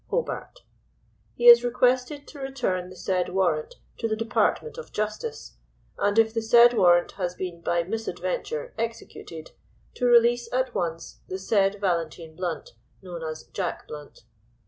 Hobart. He is requested to return the said warrant to the Department of Justice, and if the said warrant has been by misadventure executed, to release at once the said Valentine Blount, known as "Jack Blunt."